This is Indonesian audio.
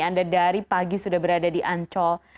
anda dari pagi sudah berada di ancol